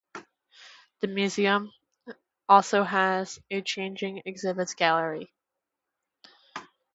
The museum also has a changing exhibits gallery.